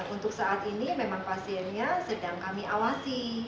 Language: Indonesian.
untuk saat ini memang pasiennya sedang kami awasi